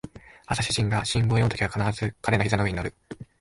朝主人が新聞を読むときは必ず彼の膝の上に乗る